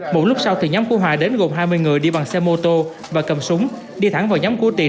một lúc sau thì nhóm cứu hòa đến gồm hai mươi người đi bằng xe mô tô và cầm súng đi thẳng vào nhóm cứu tiền